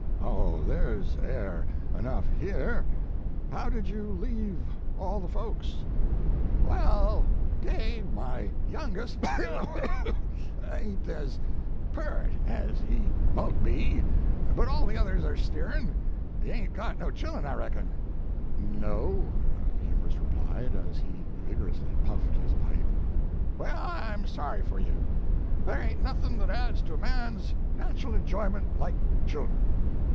"Oh, there s air enough here. How did you leave all the folks?" 84 Mark Twain "Well, Gabe, my youngest wah, hoo, wall, lioo ain t as peart as he niout be, but all the others air stirrin . You ain t got 110 chillun, I reckon? " "No," the humorist replied, as he vig orously puffed his pipe. "Well, I m sorry for you. Thar ain t iiothin that adds to a man s nachul enjoyment like chillun.